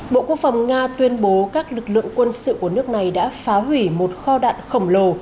bộ quốc phòng nga tuyên bố các lực lượng quân sự của nước này đã phá hủy một kho đạn khổng lồ